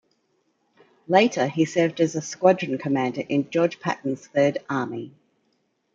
Later, he served as a squadron commander in George Patton's Third Army.